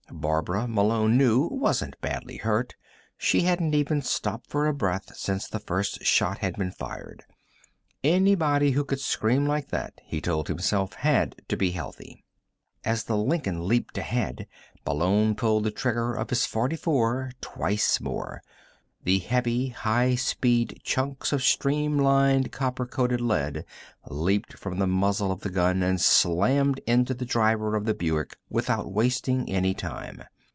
Barbara, Malone knew, wasn't badly hurt; she hadn't even stopped for breath since the first shot had been fired. Anybody who could scream like that, he told himself, had to be healthy. As the Lincoln leaped ahead, Malone pulled the trigger of his .44 twice more. The heavy, high speed chunks of streamlined copper coated lead leaped from the muzzle of the gun and slammed into the driver of the Buick without wasting any time.